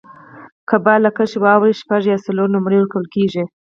که بال له کرښي واوړي، شپږ یا څلور نومرې ورکول کیږي.